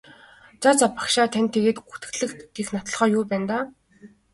За за багшаа танд тэгээд гүтгэлэг гэх нотолгоо юу байна даа?